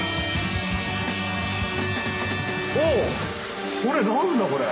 おこれ何だ？